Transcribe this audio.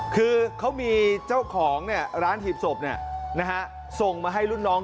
คือเขามีเจ้าของร้านหีบศพส่งมาให้รุ่นน้อง